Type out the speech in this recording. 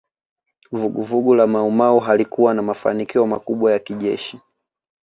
Vuguvugu la Maumau halikuwa na mafanikio makubwa kijeshi